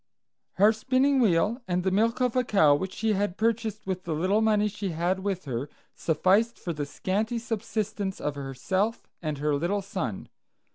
Her spinning wheel and the milk of a cow which she had purchased with the little money she had with her, sufficed for the scanty subsistence of herself and her little son.